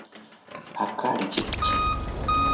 Akaali kye ki ?